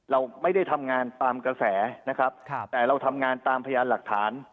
เราไม่ได้ทำงานตามกระแสนะครับแต่เราทำงานตามพยานหลักฐาน